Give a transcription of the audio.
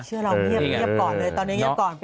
เชื่อเราเงียบก่อนเลยตอนนี้เงียบก่อน